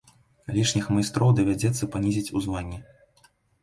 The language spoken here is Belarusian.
Лішніх майстроў давядзецца панізіць у званні.